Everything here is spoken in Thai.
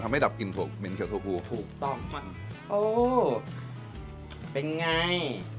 ทำให้ดับกลิ่นเหม็นเขียวถั่วพูถูกต้องมันโอ้เป็นไง